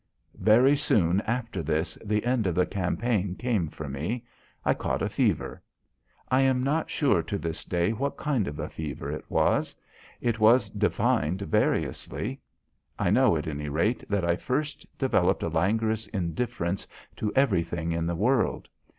Very soon after this the end of the campaign came for me. I caught a fever. I am not sure to this day what kind of a fever it was. It was defined variously. I know, at any rate, that I first developed a languorous indifference to everything in the world.